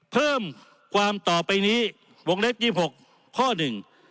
เพิ่มความต่อไปนี้วงเล็บยี่หกข้อหนึ่ง